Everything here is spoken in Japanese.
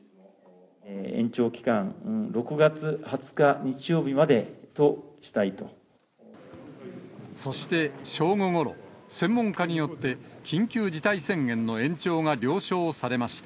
延長期間６月２０日日曜日まそして正午ごろ、専門家によって、緊急事態宣言の延長が了承されました。